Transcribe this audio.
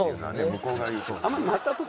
向こうが言いそうですね。